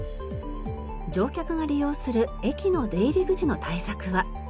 乗客が利用する駅の出入り口の対策は。